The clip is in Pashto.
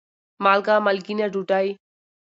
مالګه : مالګېنه ډوډۍ